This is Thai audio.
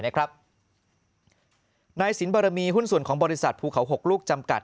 นายสินบรมีหุ้นส่วนของบริษัทภูเขา๖ลูกจำกัด